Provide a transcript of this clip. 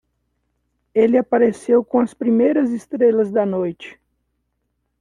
Ele apareceu com as primeiras estrelas da noite.